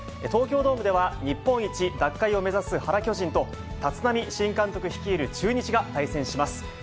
東京ドームでは、日本一奪回を目指す原巨人と、立浪新監督率いる中日が対戦します。